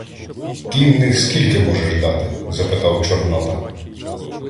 — Кінних скільки можеш дати? — запитав Чорнота.